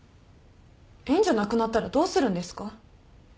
援助なくなったらどうするんですか？